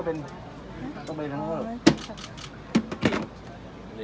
ไปมาได้ไหมก็เป็น